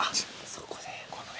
そこで。